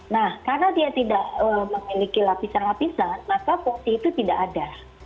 nah karena dia tidak memiliki lapisan lapisan maka fungsi itu tidak ada